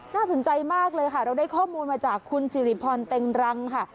น่าสนใจมากเลยค่ะเราได้ข้อมูลมาจากคุณสิริพรเต็งรังค่ะ